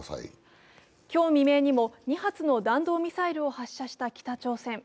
今日未明にも２発の弾道ミサイルを発射した北朝鮮。